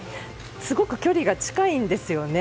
すごく距離が近いんですよね。